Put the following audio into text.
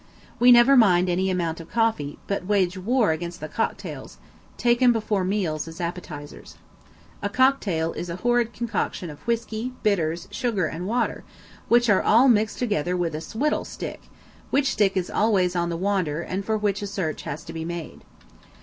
We never mind any amount of coffee, but wage war against the cocktails, taken before meals as appetisers. A cocktail is a horrid concoction of whisky, bitters, sugar and water, which are all mixed together with a "swidel" stick, which stick is always on the wander and for which a search has to be made.